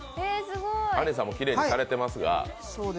あんりさんもきれいにされていますが。